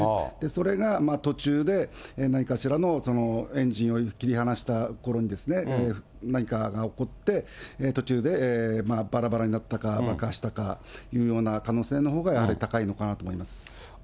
それが途中で、何かしらの、エンジンを切り離したころに、何かが起こって、途中でばらばらになったか、落下したかという可能性のほうが高いのかなと思います。